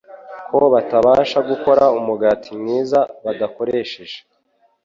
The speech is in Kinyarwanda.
ko batabasha gukora umugati mwiza badakoresheje